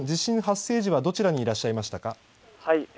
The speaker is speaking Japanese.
竹崎さんは地震発生時どちらにいらっしゃいましたか。